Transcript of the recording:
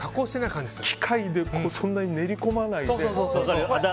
機械でそんなに練りこまないで。